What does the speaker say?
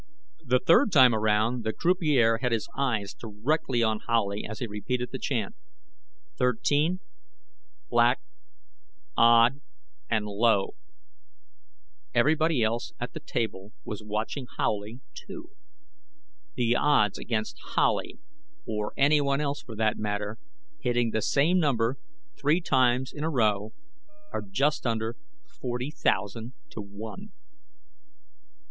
The third time around, the croupier had his eyes directly on Howley as he repeated the chant: "Thirteen, Black, Odd, and Low." Everybody else at the table was watching Howley, too. The odds against Howley or anyone else, for that matter hitting the same number three times in a row are just under forty thousand to one.